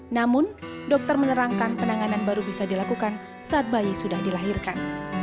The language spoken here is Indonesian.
namun dokter menerangkan penanganan baru bisa dilakukan saat bayi sudah dilahirkan